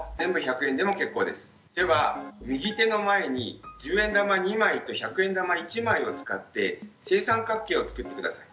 では右手の前に１０円玉２枚と１００円玉１枚を使って正三角形を作って下さい。